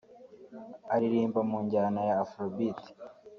Aririmba mu njyana ya AfroBeat